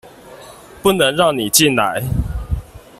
不能讓你進來